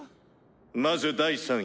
まず第３位」。